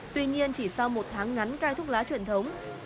tuy nhiên chỉ sau một tháng ngắn cai thuốc lá truyền thống